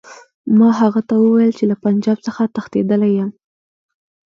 ما هغه ته وویل چې له پنجاب څخه تښتېدلی یم.